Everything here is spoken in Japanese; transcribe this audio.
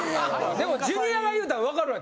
でもジュニアが言うたん分かるわ。